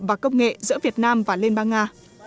và công nghệ giữa việt nam và liên bang nga